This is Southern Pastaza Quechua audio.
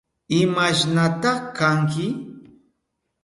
¿Imashnata kanki?